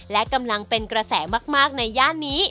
และกำลังเป็นกระแสมากในย่านนี้